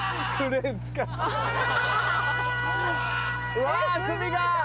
うわ首が！